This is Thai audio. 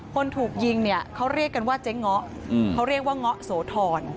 คนถูกยิงเนี่ยเขาเรียกกันว่าเจ๊เงาะเขาเรียกว่าเงาะโสธร